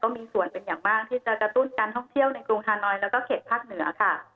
มีส่วนเป็นอย่างมากที่จะกระตุ้นการท่องเที่ยวในกรุงฮานอยแล้วก็เขตภาคเหนือค่ะ